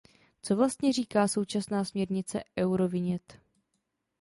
Co vlastně říká současná směrnice Eurovignette?